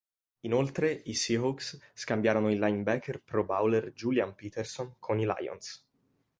Inoltre, i Seahawks scambiarono il linebacker Pro Bowler Julian Peterson con i Lions.